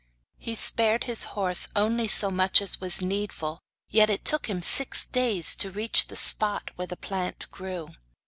He spared his horse only so much as was needful, yet it took him six days to reach the spot where the plant grew.